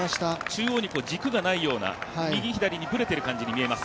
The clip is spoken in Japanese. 中央に軸がないような右左にぶれているような感じに見えます。